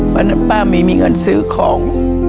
วันนั้นป้าไม่มีเงินซื้อของ